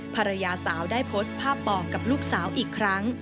ภรรยาสาวได้โพสต์ภาพปองกับลูกสาวอีกครั้ง